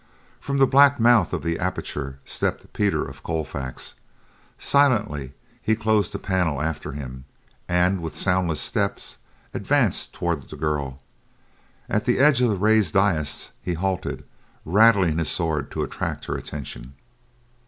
From the black mouth of the aperture stepped Peter of Colfax. Silently, he closed the panel after him, and with soundless steps, advanced toward the girl. At the edge of the raised dais he halted, rattling his sword to attract her attention.